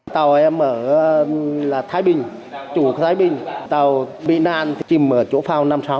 tàu em ở thái bình chủ thái bình tàu bị nan thì chìm ở chỗ phao năm mươi sáu